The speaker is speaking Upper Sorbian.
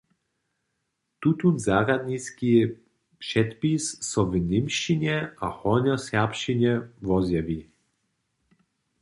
Tutón zarjadniski předpis so w němčinje a hornjoserbšćinje wozjewi.